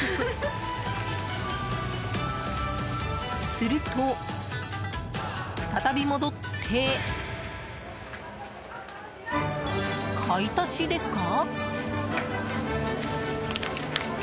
すると、再び戻って買い足しですか？